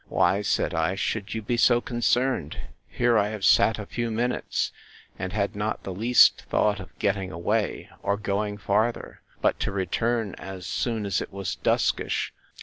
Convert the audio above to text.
Why, said I, should you be so concerned? Here I have sat a few minutes, and had not the least thought of getting away, or going farther; but to return as soon as it was duskish.